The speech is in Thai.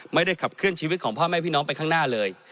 ไม่ได้ขับเคลื่อนชีวิตของพ่อแม่พี่น้องไปข้างหน้าเลย